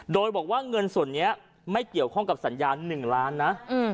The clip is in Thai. โดยบอกว่าเงินส่วนนี้ไม่เกี่ยวข้องกับสัญญา๑ล้านนะ